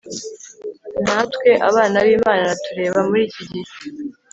natwe abana bImana aratureba muri iki gihe